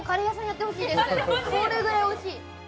それぐらいおいしい！